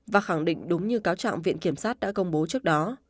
và khẳng định đúng như cáo trạng viện kiểm sát đã công bố trước đó